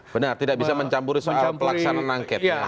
benar tidak bisa mencampuri soal pelaksanaan angket